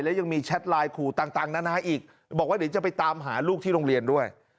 และยังมีแชทไลน์ขู่ต่างนานาอีกบอกว่าเดี๋ยวจะไปตามหาลูกที่โรงเรียนด้วย